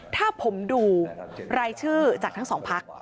ถ้าผมดูรายชื่อจากทั้งสองพัก